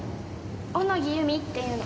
小野木由美っていうの。